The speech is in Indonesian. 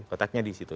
kotaknya di situ